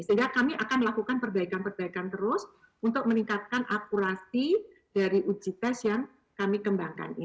sehingga kami akan melakukan perbaikan perbaikan terus untuk meningkatkan akurasi dari uji tes yang kami kembangkan